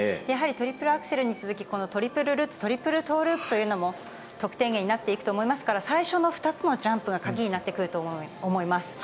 やはりトリプルアクセルに続き、このトリプルルッツ、トリプルトーループというのも得点源になっていくと思いますから、最初の２つのジャンプが鍵になってくると思います。